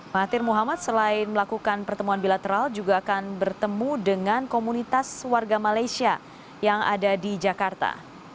mahathir muhammad selain melakukan pertemuan bilateral juga akan bertemu dengan komunitas warga malaysia yang ada di jakarta